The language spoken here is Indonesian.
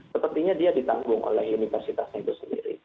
sepertinya dia ditanggung oleh universitasnya itu sendiri